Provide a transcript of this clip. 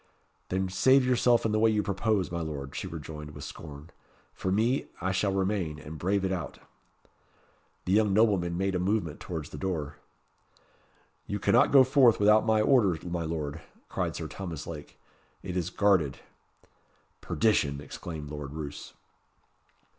"Then save yourself in the way you propose, my Lord," she rejoined, with scorn. "For me, I shall remain, and brave it out." The young nobleman made a movement towards the door. "You cannot go forth without my order, my Lord," cried Sir Thomas Lake. "It is guarded." "Perdition!" exclaimed Lord Roos.